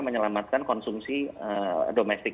menyelamatkan konsumsi domestik